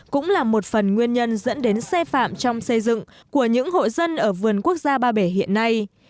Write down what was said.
cũng là một phần nguyên nhân dẫn đến xe phạm trong xây dựng của những hộ dân ở vườn quốc gia ba bể hiện nay